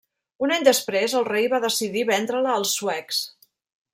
Un any després, el rei va decidir vendre-la als suecs.